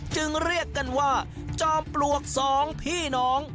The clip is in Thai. จึงเรียกกันว่าจอมปลวกสองพี่น้อง